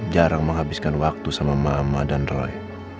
jarang menghabiskan waktu sama mama dan roy